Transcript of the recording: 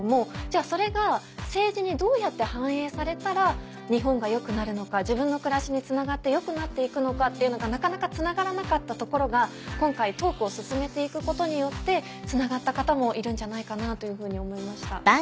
あそれが政治にどうやって反映されたら日本が良くなるのか自分の暮らしにつながって良くなって行くのかっていうのがなかなかつながらなかったところが今回トークを進めて行くことによってつながった方もいるんじゃないかというふうに思いました。